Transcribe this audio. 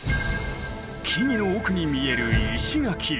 木々の奥に見える石垣。